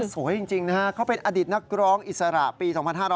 สวยจริงนะฮะเขาเป็นอดีตนักร้องอิสระปี๒๕๕๙